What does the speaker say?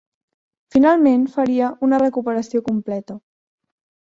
Finalment faria una recuperació completa.